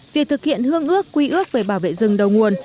việc thực hiện hương ước quy ước về bảo vệ rừng đầu nguồn